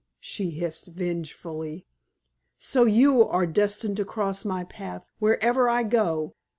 she hissed vengefully. "So you are destined to cross my path wherever I go.